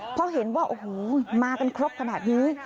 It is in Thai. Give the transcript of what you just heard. เพราะเห็นว่าโอ้โหมากันครบขนาดนี้